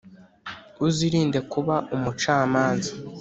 Uzirinde kuba umucamanza,